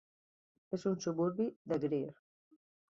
És un suburbi de Greer.